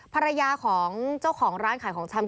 ภรรยาของเจ้าของร้านขายของชำ